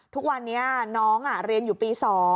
ทุกวันนี้น้องเรียนอยู่ปี๒